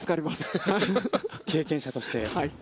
経験者として。